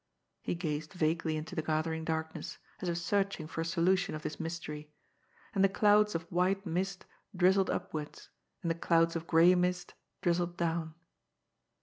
He gazed vaguely into the gathering darkness, as if searching for a solution of this mystery. And the clouds of white mist drizzled upwards, and the clouds of gray mist drizzled down.